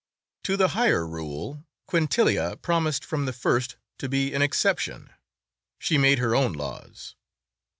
To the higher rule Quintilia promised from the first to be an exception. She made her own laws.